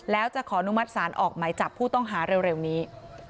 แล้วจะขออนุมัติศาลออกหมายจับผู้ต้องหาเร็วนี้